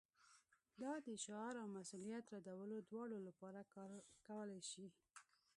دا د شعار او مسؤلیت ردولو دواړو لپاره کار کولی شي